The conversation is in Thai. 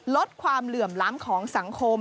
ลดความเหลื่อมล้ำของสังคม